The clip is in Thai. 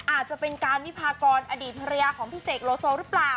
อาจจะเป็นการวิพากรอดีตภรรยาของพี่เสกโลโซหรือเปล่า